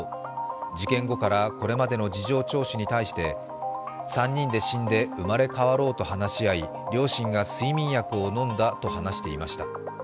事件後からこれまでの事情聴取に対して、３人で死んで生まれ変わろうと話し合い、両親が睡眠薬を飲んだと話していました。